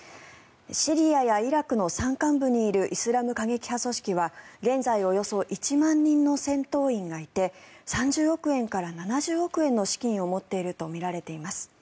シリアやイラクの山間部にいるイスラム過激派組織は現在およそ１万人の戦闘員がいて３０億円から７０億円の資金を持っているとみられています。